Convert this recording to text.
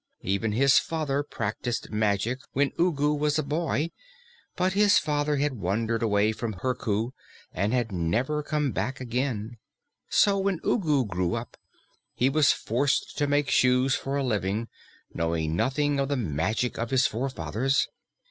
Even his father practiced magic when Ugu was a boy, but his father had wandered away from Herku and had never come back again. So when Ugu grew up, he was forced to make shoes for a living, knowing nothing of the magic of his forefathers.